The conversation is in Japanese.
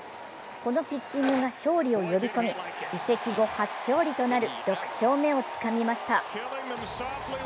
このピッチングが勝利を呼び込み、移籍後初勝利となる６勝目をつかみました。